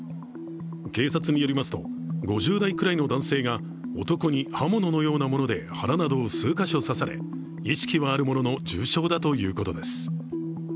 警察によりますと５０代くらいの男性が男に刃物のようなもので腹など数カ所を刺され、意識はあるものの、重傷だということです。